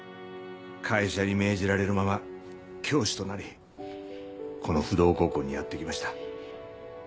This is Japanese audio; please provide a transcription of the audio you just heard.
会社に命じられるまま教師となりこの不動高校にやって来ました。